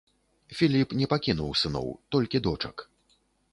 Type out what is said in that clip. Філіп не пакінуў сыноў, толькі дочак.